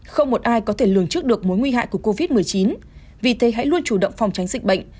không một ai có thể lường trước được mối nguy hại của covid một mươi chín vì thế hãy luôn chủ động phòng tránh dịch bệnh